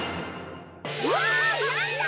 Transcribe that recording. わなんだ！